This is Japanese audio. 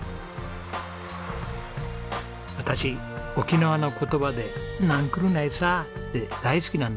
私沖縄の言葉で「なんくるないさ」って大好きなんですね。